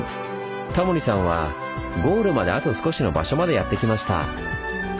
タモリさんはゴールまであと少しの場所までやって来ました。